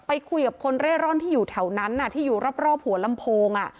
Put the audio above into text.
ไปคุยกับคนเร่ร่อนที่อยู่แถวนั้นที่อยู่รอบหัวลำโพง